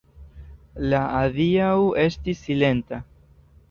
La adiaŭo estis silenta.